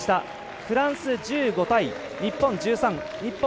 フランスが１５、日本が１３。